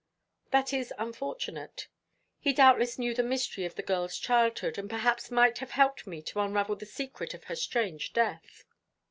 "That is unfortunate. He doubtless knew the mystery of the girl's childhood, and perhaps might have helped me to unravel the secret of her strange death."